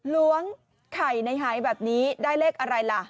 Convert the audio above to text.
ล้วงไข่ในหายแบบนี้ได้เลขอะไรล่ะ